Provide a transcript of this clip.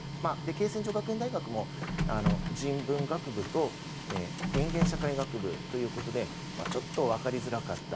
恵泉女学園大学も人文学部と人間社会学部ということでちょっと分かりづらかった。